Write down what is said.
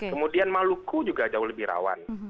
kemudian maluku juga jauh lebih rawan